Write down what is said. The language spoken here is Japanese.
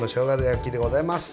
焼きでございます！